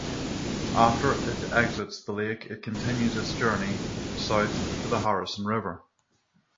After it exits the lake it continues its journey south to the Harrison River.